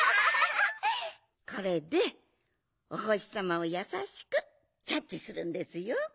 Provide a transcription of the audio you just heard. これでおほしさまをやさしくキャッチするんですよ。